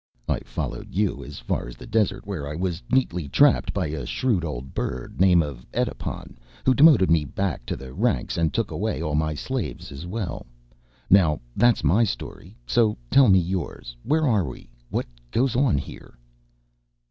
I followed you as far as the desert where I was neatly trapped by a shrewd old bird name of Edipon who demoted me back to the ranks and took away all my slaves as well. Now that's my story. So tell me yours, where we are, what goes on here?"